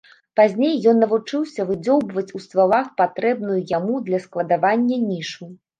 Пазней ён навучыўся выдзёўбваць ў ствалах патрэбную яму для складавання нішу.